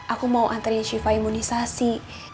aku mau antarin sifa imunisasi